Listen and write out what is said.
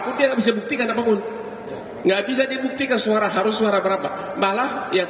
pun dia nggak bisa buktikan apapun nggak bisa dibuktikan suara harus suara berapa malah yang